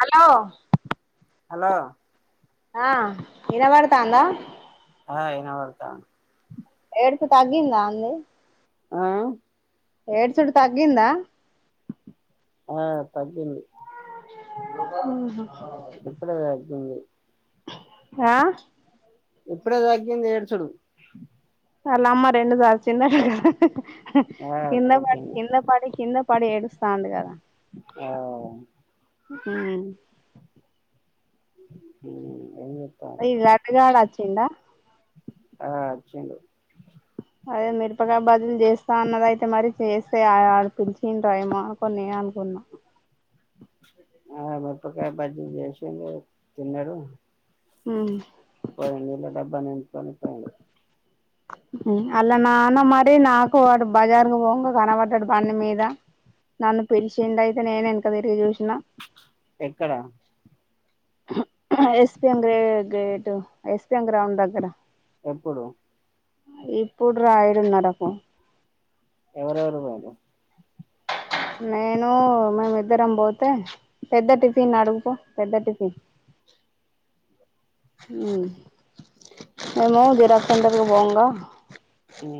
అలో hello ఆ ఎన్న మడతాందా ఆ ఇన వర్తాంది ఏడుపు తగ్గిందా అండి ఆహ ఏడుసుడు తగ్గిందా ఆ తగ్గింది ఇప్పుడే ఆహ తగ్గింది ఆ ఇప్పుడే తగ్గింది ఏడ్చుడు వాళ్ళ అమ్మ రెండు సా చిన్న ఆ కింద పడి కొట్టింది కింద పడి కింద పడి ఏడుస్తాండు కదా ఆ ఉహు [unintelligible] చెత్తారు ఇగ లడ్డు గాడు వచ్చిండా ఆ వచ్చిండు అదే మిరపకాయ బజ్జీలు చేస్తా అన్నది అయితే మరి చేస్తే ఆడ పిలిచిర్ర ఏమో కొన్ని అనుకున్న ఆ మిరపకాయ బజ్జీలు చేసిల్లు తిన్నాడు హు తినిపోయిండు హు ఆళ్ల నాన్న మరి నాకు వాడు బజార్ కు పోంగా కనబడ్డాడు బండిమీద నన్ను పిలిచిండు అయితే నేను ఎనక తిరిగి చూసిన ఎక్కడ ఎస్ పి ఎమ్ గే gate S P M ground దగ్గర ఎప్పుడు ఇప్పుడు రా ఏడున్నరకు ఎవరెవరు పోయిర్రు నేను మేము ఇద్దరం పోతే పెద్ద టిఫిన్ అడుగుపో పెద్ద టిఫిన్ హు మేము జిరాక్స్ సెంటర్ కు పోంగా హు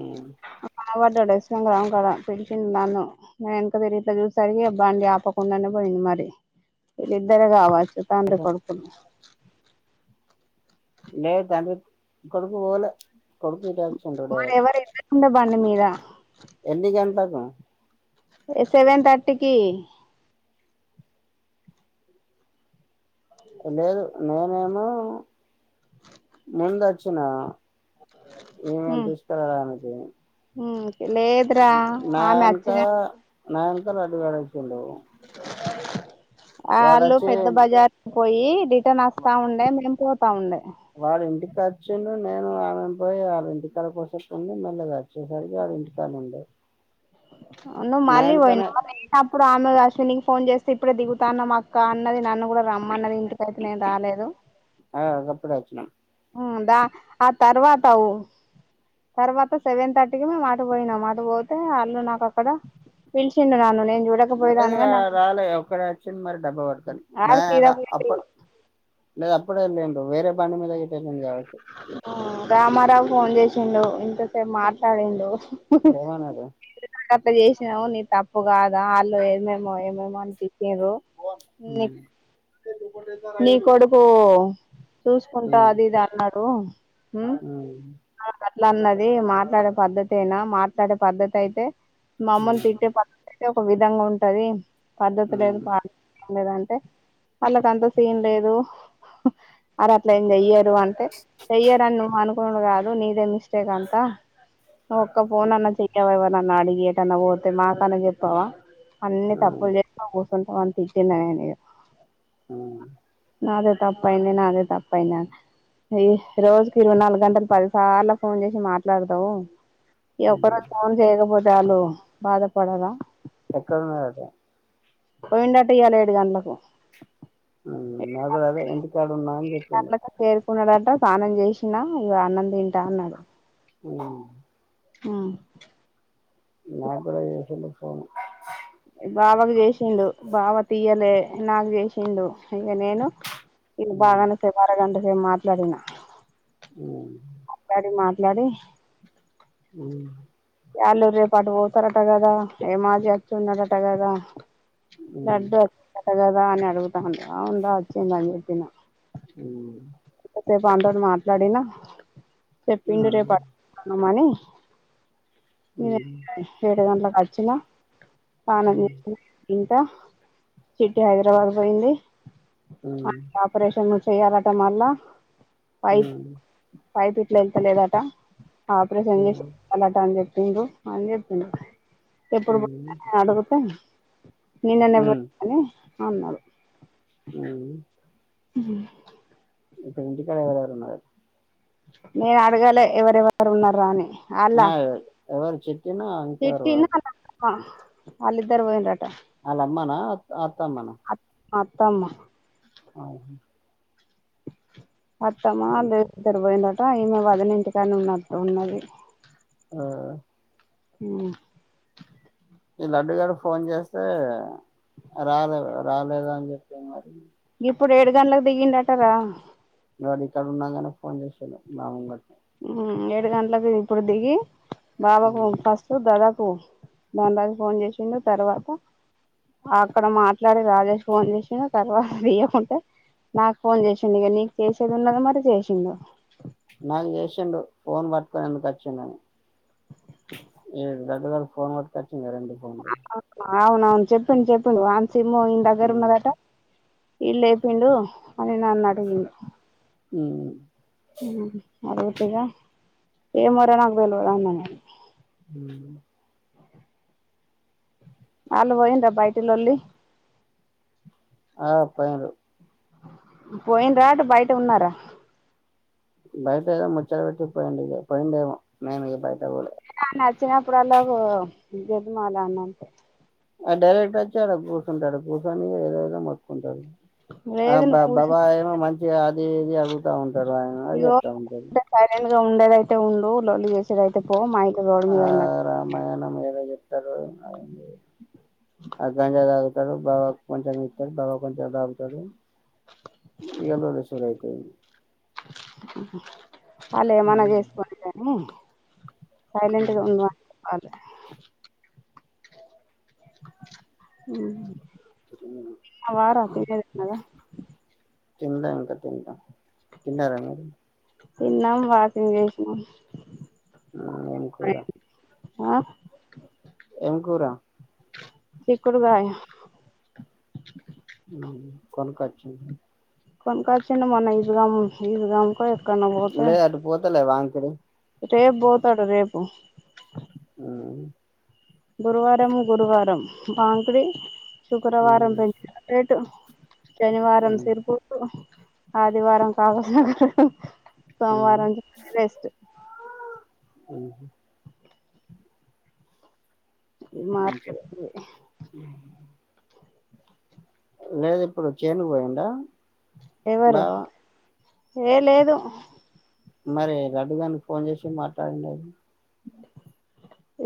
కనబడ్డాడు ఎస్ పి ఎం గ్రౌండ్ కాడ పిలిచిండు నన్ను నేను వెనుక తిరిగి ఇట్లా చూసిసరికి బండి ఆపకుండానే పోయి మరి వీళ్లిద్దరే కావచ్చు తండ్రి కొడుకులు లే తండ్రి కొడుకు పోలే కొడుకు ఎట్టే వచ్చిండు మరి డైరె ఎవరు ఇద్దరు ఉండే బండి మీదా ఎందుకంటారు సెవెన్ తర్టీకి లేదు నేనేమో ముందు వచ్చినా ఏమని తీసుకురావడానికి లేదురా నా ఆమె ఎనుక వచ్చిన నా వెనుక లడ్డు గాడు వచ్చిండు వాళ్ళు వాడొచ్చి పెద్ద బజార్ పోయి రిటర్న్వస్తా ఉండే మేము పోతా ఉండే వాళ్ళ ఇంటి కా వచ్చిండు నేను ఆమే పోయి వాళ్ళ ఇంటికాడ కాసేపు ఉండి మళ్ళా ఇగ వచ్చేసరికి వాళ్ల ఇంటికాన్నే ఉండు నువ్వు మళ్ళీ పోయినవా నేను అప్పుడు అన్నె కలిసింది ఫోన్ చేస్తే ఇప్పుడే దిగుతానము అక్క అన్నది నన్ను కూడా రమ్మన్నది ఇంటికాడికి నేను రాలేదు ఆ గప్పుడే వచ్చినాం దా ఆ తర్వాత అవు తర్వాత సెవెన్ థర్టీకి మేముఅటు పోయినాం అటుపోతే పవాళ్ళు నాకు అక్కడ పిలిచిండు నన్ను నేను లేదు చూడకపోయేదాన్ని గాని వాయి నాకు రాలేదు ఒక్కడే వచ్చిండు మరి డబ్బా పట్టుకొని ఆడ మే సీదా అప్పు పోయిండు లేదు అప్పుడే వెళ్ళిండు వేరే బండిమీద గిట్ల వెళ్ళిండు కావచ్చు రామారావు ఫోన్ చేసిండు ఇంతసేపు మాట్లాడిండు ఏమనాడు ఇట్లా చేసినావు నీ తప్పు కాదా వాళ్ళు ఏమేమో ఏమేమో అనిపించ్రు హ నీ కొడుకు చూసుకుంటా ఉమ్, అది అది ఇది అన్నడు ఉమ్, ఇట్లా అన్నది మాట్లాడే పద్ద్దతి అయినా మాట్లాడే పద్ద్దతి అయితే మమ్మల్ని ఉమ్, తిట్టే పద్ధతి అ ఒక విధంగా ఉంటంది పద్ధతి లేదు ఉమ్, పాడు లేదు అంటే వాళ్ళకి అంత సీన్ లేదు అర అట్లా ఏంజయ్యరు అంటే చెయ్యరని నువ్వు అనుకున్నా కాదు నీదే మిస్టేక్ అంతా ఒక్క ఫోన్ అన్నా చెయవా ఎవనన్నా అడిగి ఏటన్నా పోతే మాక అన్నా చెప్పావా అన్ని ఉమ్, తప్పులు చేసినా కూర్చుంటాం అని తిట్టింద నేను ఆ నాదే తప్పయింది నాదే తప్పయింది అని ఈ రోజుకి ఇరవై నాలుగు గంటలు పదిసార్లు ఫోన్ చేసి మాట్లాడదావు ఉమ్. ఎవరోజు ఫోన్ చేయకపోతే వాళ్ళు బాధపడరా ఎక్కడన్నాది అట పోయిండట ఇ్యల ఏడు గంటలకు ఉమ్, నాకు కూడా అదే ఇంటికాడ ఉన్నా అని ఏడు చెప్పిండు గంటలకు చేరుకున్నాడట స్నానం చేసిన ఇగ అన్నం తింటన్నాడు ఉ ఆ నా కూడ చేసిండు ఫోన్ బావకు చేసిండు బావ తీయలే నాకు చేసిండు ఇక నేను ఇ ఉమ్ బాగానే సేపూ మరగంట సేపు మాట్లాడినా ఆ మాట్లాడి మాట్లాడి ఉమ్ వాళ్ళు రేపాటు పోతారట కదా ఏ మాది వస్తు ఉన్నడట కదా ఉమ్ లడ్డు వచ్చిందట కదా అని అడుగుతా ఉంటా అవును రా వచ్చిందని చెప్పిన ఓ రేపు అనీతోనీ మాట్లాడినా చెప్పిండు రేపు అత్తన్నమని ఉమ్ ఉమ్ ఉమ్ ఏడు గంటలకులకు వచ్చినా పాన ఉమ్ ఉమ్ చిట్టి హైదరాబాద్ పోయింది వానికి ఉమ్ ఆపరేషన్ చేయాలట మల్ల ఆ వెళ్త లేదట ఆపరేషన్ చేసి ఉమ్ చెప్పిండు అని చెప్పిం ఎప్పుడు పుట్టిండు అని అడుగుతే నిన్ననే పుట్టిండు అన్నారు ఆ ఉ ఇంటి కడ ఎవలెవలు ఉన్నారు నేను అడగాలే ఎవరెవరు ఉన్నారా అని ఆ ఎవరు ఎవరు చిట్టినా ఇంకెవరు చిట్టి ఉన్ను వాళ్ళమ్మ అలుద్దరు పోయిన అలా అమ్మనా అత్త అమ్మనా అతమ్మ అఓహ అత్తమా లేరు ఇద్దరు పోయిందోట ఈ మా వదిన ఇంటికనే ఉన్నటు ఉన్నది ఆ ఊ ఈ లడ్డు గాడు ఫోన్ చేస్తే రాలేదు రాలేద అని చెప్పి మరి ఇప్పుడు ఏడు గంటలకు దిగిండటార వాడు ఇక్కడ ఉన్నాగానే ఫోన్ చేశాలేడు మా ముంగట ఏడు గంటలకు ఇప్పుడు దిగి బాబాకు ఫస్ట్ దాదపు దాని తర్వాత ఫోన్ చేసిడు తర్వాత అక్కడ మాట్లాడి రాజేష్ ఫోన్ చేసిన తర్వాత తీయకుంటే నాకు ఫోన్ చేసిండు ఇక నీకు చేసేది ఉన్నది మరి చేసిండు నాకు చేసిండు ఫోన్ పట్టుకొని ఎందుకు వచ్చిండ అని ఏ గద్ద గడు ఫోన్ పట్కిచ్చి రెండు ఫోన్లు అవున అవును చెప్పండి చెప్పండి వానసిమ్ ఇన దగ్గర ఉన్నదంట ఇడు లేపిండు అని నన్ను అడిగిండు ఉమ్ అరవతిగా ఏమో రా నాకు తెలవదు అన్నాను నేను ఉహ్ మొన్న పోయిండ బయటిలోల్లి ఆ పోయిండ్రు పోయిండ్రా రా బయట ఉన్నారా బయట ఏదో ముచ్చట పెట్టి పోయిడి పోయిండేమో మేమి ఇది బయట పోలే నచ్చినప్పుడు అలా గదుమ అలా అన్న అంతే ఆ డైరెక్ట్ వచ్చి అడ కుర్సుటుండు కూర్సొని ఏదో ఏదో మతుకుంటాడు ఆ లేదు బా నువ్వు కూర్చో బాబా ఏమో మంచి అది ఇది అడుగుతా ఉంట [unintelligible] రా ఇగో చెప్తా ఉంటడు సైలెంట్ గా ఉండేదయితే ఉండు లొల్లి చేసేదయితే పో మా ఇక రోడ్ మీద ఉన్న తర్వాత ఏం లేదు ఆ గంజా తాగుతారు బావ కొంచెం ఇస్తారు బావ కొంచెం తాగుతారు ఇక లొల్లి షురూ అయితది వాళ్ళ ఏమన్నా చేసుకోగానే సైలెట్గా ఉండమని [unintelligible] హు ఆ వార తెన్నదా తిందా ఇంకా తింటా తిన్నార మీరు తిన్నం వాకింగ్ చేసినం ఆ ఏం కూర ఆ ఏం కూర చిక్కుడుకాయ హు కొనుక్కొచ్చిండ్రా కొనకొచ్చినం మన ఇస్గౌ ఇస్ గౌన్ పోయి లే అటు పోతలే వాంకిడి రేపు పోతాడు రేపు ఆ గురువారం గురువారం వాంకిడి శుక్రవారం పెంచినపేట్ శనివారం సిరిపూర్ ఆదివారం కాగజ్నగర్ సోమవారం నుంచి రెస్ట్ అ హు మార్కెట్ మంచిగా పోయి లేదు ఇప్పుడు చేను పోయిడా ఎవరు ఏ లేదు మరి లడ్డు గనికి ఫోన్ చేసి మాట్లాడింది అయితే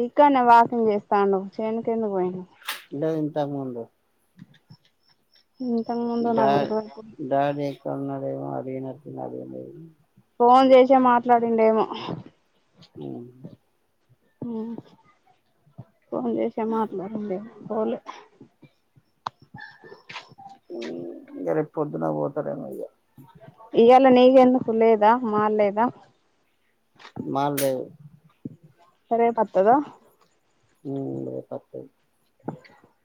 ఇక్కనే వాకింగ్ చేస్తున్నావ్ చేను కు ఎందుకు పోయిండు లేదు ఇంతకు ముందు ఇంతకు ముందు నాకు డాడ్ తెలవదు డాడీ ఎక్కడ ఉన్నాడేమో అడిగినట్లు ఉన్నాడు మీరు ఫోన్ చేసే మాట్లాడిండేమో ఉ ఉ ఫోన్ చేసా మాట్లాడిండు పోలే ఇంగ రేపొద్దున్న పోతారెమో ఇగ ఇయ్యలా నెయ్యి ఎందుకు లేదా మాల్లేద మాల్లేదు రేపత్తద ఊ రేపత్తది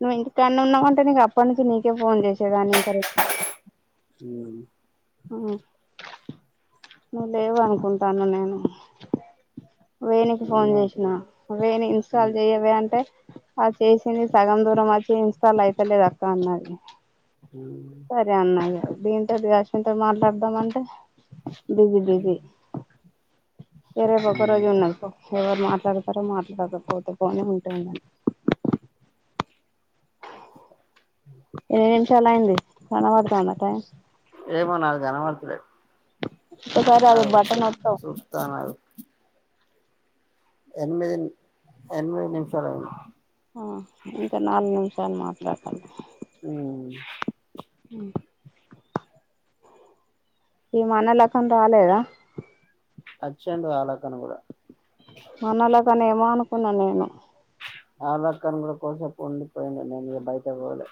నువ్వు ఇంటికాన్నగ ఉన్నావంటే నిగ అప్పన్నించి నీకే ఫోన్ జేసేదాన్ని ఇంకా రె ఊ ఆ నువ్వు లేవ అనుకుంటాన్నా నేను వేణికి ఫోన్ జేసిన వేణి ఇన్స్టాల్ జెయ్యవే అంటే ఆ చేసింది సగం దూరం అచ్చి ఇన్స్టాల్ అయితలేదక్క అన్నది సరే అన్నా ఇగ దీంతోటి కాసింత మాట్లాడదాం అంటే బిజీ బిజీ ఏరే పాప తో ఒక్క రోజు ఉన్నవి ఎవరు మాట్లాడతారో మాట్లార్రో పోతే పోని ఉంటే ఉన్నని ఏంషాలైంది కనబడతాందా టైమ్ ఏమో నాగ్గనబడతలే ఒక్కసారి అది ఆగు సు బటన్ నొత్తవ్ సూత్తానాగు ఎనిమిదిన్ ఎనిమిది నిమిషాలు అయింది ఆ ఇంకా నాలుగు నిమిషాలు మాట్లాడతాలే ఊ ఉ ఈ మనలకం రాలేదా. అచ్చండు వాళ్ళకను గూడా మనొళ్ళకని ఏమో అనుకున్నా నేను ఆధార్ల కార్డ్ కోసం [unintelligible] నేను కూడా బయటకు పోలే.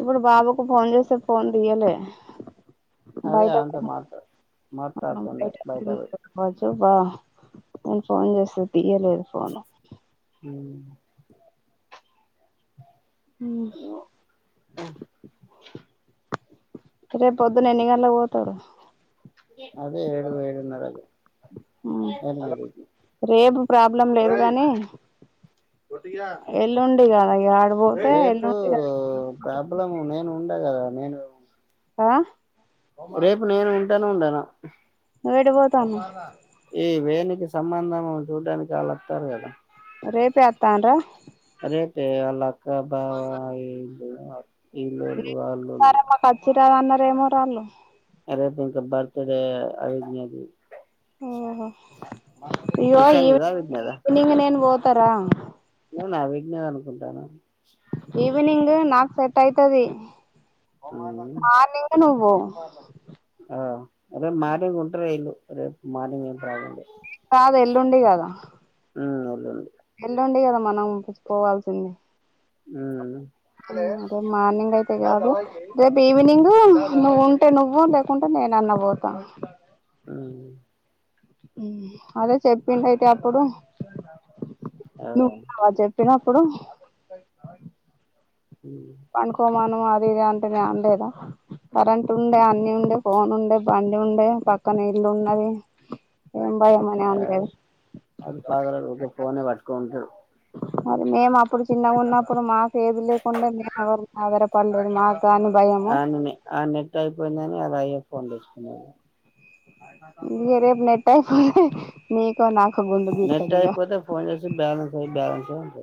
ఇప్పుడు బాబూకు ఫోన్ జెస్తే ఫోన్ దియ్యలా అదే బయటకు ఆమెతో మాట్లా పోనీ మాట్లాడుతుండే బయట పోయి [unintelligible] నేన్ ఫోన్ జేస్తే తియ్యలేదు ఫోను ఉ ఉ రే పొద్దున్న ఎన్ని గంట్లవోతారు అదే ఏడు ఏడున్నర్రకు ఎనిమిదికి రేపు ప్రాబ్లం లేదు గాని ఎల్లుండి గదా రేపు ప్రాబ్లము నేను ఉండ గదా నేను ఆ రేపు నేను ఉంటానో ఉండనొ నువ్యాటికి పోతావ్ అన్న ఈ వేనూకి సంబంధం జూడ్డానికి ఆల్లొత్తారు గదా రేపే అత్తాండ్ర రేపే వాల్లక్క బావ ఈల్లు ను ఈల్లొల్లు వాల్లొల్లు ఇత్తారన్నారేమో రాళ్ళు రేపం ఇంక బర్త్ డే [unintelligible] ఓహో ఇగో ఇషాన్ కదా అవిజ్ఞదా ఈవ్నింగ్ నేన్ బోతా రా వూన విజ్ఞా ది అనుకుంటన్న ఈవినింగే నాకు సెట్ అయితది మార్నింగే నువ్వ్ బో ఆహ్ రేపు మార్నింగ్ ఉంటారు వీళ్ళు రేపు మార్నింగ్. ప్రాబ్లం లేదు కాదు ఎల్లుండి గదా ఊ ఎల్లుండి ఎల్లుండి గదా మనం పుచ్చుకోవాల్సింది మ్ మార్నింగ్ ఐతే గాదు రేపు ఈవినింగ్ నువ్వుంటే నువ్వు లేకుంటే నేనన్న బోతా ఆ మ్మ్ అదే చెప్పిండు అయితే అప్పుడు ఆ నువ్వు అల చెప్ తిన్నప్పుడు ఉమ్ పండుకోమను అది ఇది అంటేనే అనలేదా కరెంట్ ఉండే అన్ని ఉండే ఫోన్ ఉండే బండి ఉండే పక్కన ఇల్లు ఉన్నది ఏం భయం అని అ అనలేదు ఆడు పాగలోడు ఊకే ఫోనే పట్టుకొని ఉంటడు మరి మేము అప్పుడు చిన్నగా ఉన్నప్పుడు మాకు ఏది లేకుండే మేము ఎవరి మీద ఆదార పడలేదు మా ఆనిని ఆ నెట్ అయిపోయిందని అలా అయ్య ఫోన్ తెచ్చుకున్నాడు రేప్ నెట్ నీకు నాకు గుండు నెట్ గీకుతాడు ఇగ జాంపేట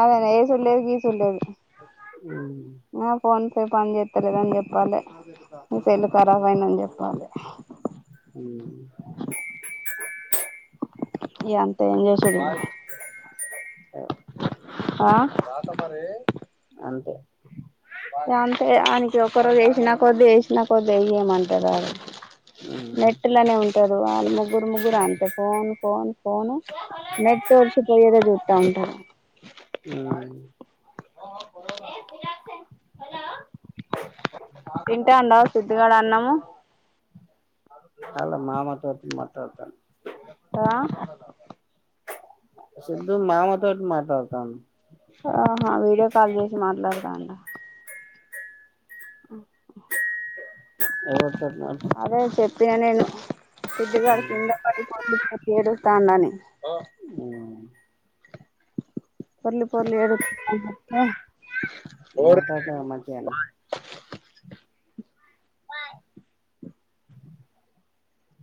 ఏవైన ఏసుడు లేదు దీసుడు లేదు మ్ రేప పన్ చేత్తలేదని చెప్పాలి సెల్లు ఖరాబ్ అయిదని చెప్పాలి మ్ ఈ అంత ఎంజాయ్ చెడి అ ఆ... అంతే గంతే ఆయనికి ఒకరోజు ఎసినా కొద్ది ఎసినా కొద్ది ఎయ్యమంటాడు ఆడు ఉమ్ నెట్ లోనే ఉంటారు వాళ్ళు ముగ్గురు ముగ్గురు అంతే phone phone phone net verse పోయేదే జూత్త ఉంటారు మ్ ఏ పస తింటాండ సిద్దుగాడు అన్నము ఆల మామ మాట్లడ్తుంది మాట్లడ్తాండు రా సిధూ మామ తోటి మాట్లడ్తాండు ఆహా వీడియో కాల్ చేసి మాట్లాడతాండ అ ఎవర్ అదే చెప్పిన నేను సిద్దుగాడు కిందపడి పోయి ఏడుస్తాండని అ పొర్లి పొర్లి ఎడు మాట్లడత మధ్యాహ్నం